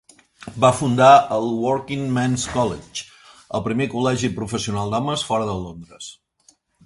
Va fundar el Working Men's College, el primer col·legi professional d'homes fora de Londres.